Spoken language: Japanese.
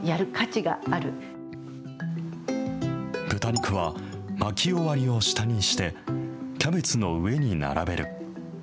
豚肉は巻き終わりを下にして、キャベツの上に並べる。